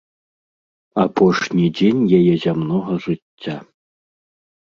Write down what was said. Апошні дзень яе зямнога жыцця.